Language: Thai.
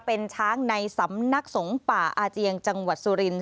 เป็นช้างในสำนักสงฆ์ป่าอาเจียงจังหวัดสุรินท